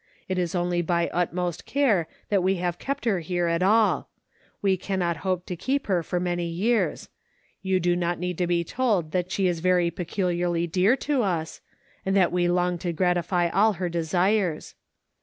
It is only by utmost care that we have kept her here at all ; we cannot hope to keep her for many years ; you do not need to be told that she is very peculiarly dear to us, and that we long to gratify all her desires.